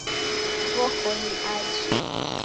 W'okoni aje